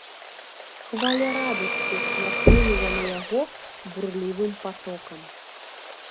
Хваля радасці нахлынула на яго бурлівым патокам.